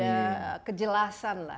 harus ada kejelasan lah